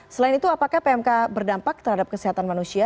selain itu apakah pmk berdampak terhadap kesehatan manusia